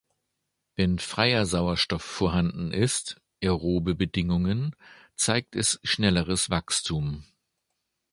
Wenn freier Sauerstoff vorhanden ist (aerobe Bedingungen) zeigt es schnelleres Wachstum.